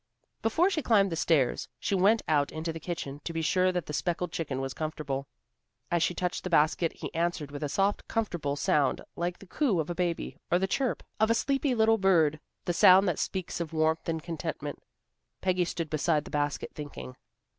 Before she climbed the stairs, she went out into the kitchen to be sure that the speckled chicken was comfortable. As she touched the basket he answered with a soft, comfortable sound like the coo of a baby, or the chirp of a sleepy little bird, the sound that speaks of warmth and contentment. Peggy stood beside the basket thinking.